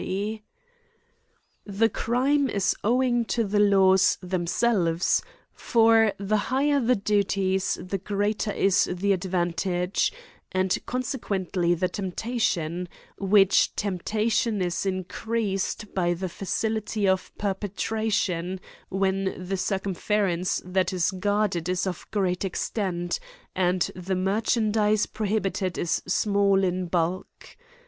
128 AN ESSAY ON This crime is owing to the laws themselves; for the higher the duties the greater is the advan tage, and consequently the temptation; which temptation is increased by the facility of perpetra tion, when the circumference that is guarded is of great extent, and the merchandise prohibited is small in bulk.